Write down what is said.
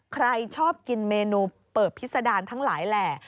ใครชอบกินเมนูเปิบพิษดารทั้งหลายแหล่